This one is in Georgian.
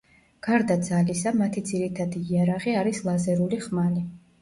გარდა ძალისა, მათი ძირითადი იარაღი არის ლაზერული ხმალი.